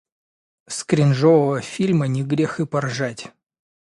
С кринжового фильма не грех и поржать.